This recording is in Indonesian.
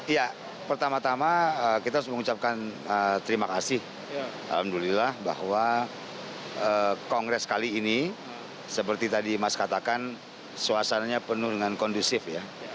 ya pertama tama kita harus mengucapkan terima kasih alhamdulillah bahwa kongres kali ini seperti tadi mas katakan suasananya penuh dengan kondusif ya